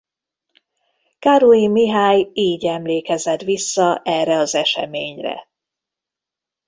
Károlyi Mihály így emlékezett vissza erre az eseményre.